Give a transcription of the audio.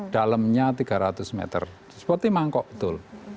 dalamnya tiga ratus meter seperti mangkok betul